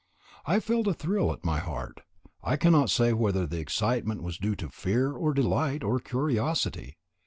I felt a thrill at my heart I cannot say whether the excitement was due to fear or delight or curiosity.